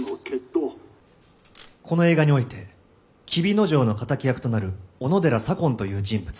この映画において黍之丞の敵役となる小野寺左近という人物。